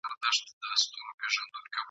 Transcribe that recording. د ګیدړ پر ځای پخپله پکښي ګیر سو !.